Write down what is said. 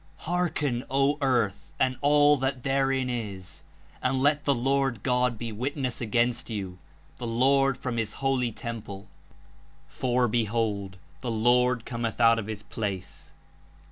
Hearken, O Earth, and all that therein is; and let the Lord God be witness against you, the Lord froffi His Holy Temple. For, Behold, the Lord cometh out of His Place!